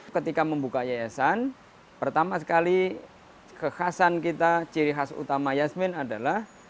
ketika membuka yayasan pertama sekali kekhasan kita ciri khas utama yasmin adalah